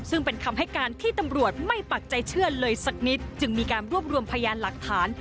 ซึ่งเป็นคำให้การที่ตำรวจไม่ปักใจเชื่อเลยสักนิดจึงมีการรวบรวมพยานหลักฐาน